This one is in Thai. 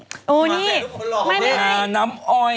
เหมือนนี้อาร์น้ำอร์ย